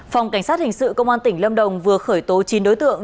phòng cảnh sát hình sự công an tỉnh lâm đồng vừa khởi tố chín đối tượng